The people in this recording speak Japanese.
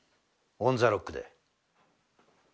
オンザロックで。